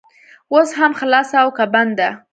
اوس هم خلاصه او که بنده؟